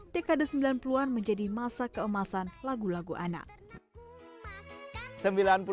dekade sembilan puluh an menjadi masa keemasan lagu lagu anak